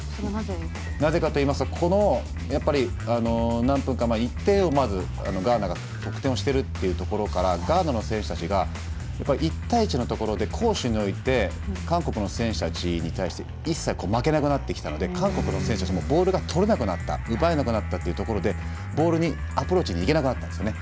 なぜかといいますとこの何分か前に１点をまず、ガーナが得点をしているっていうところからガーナの選手たちが１対１のところで攻守において韓国の選手たちに対して一切、負けなくなってきたので韓国の選手たちもボールがとれなくなった奪えなくなったっていうところでボールにアプローチにいけなくなったんですよね。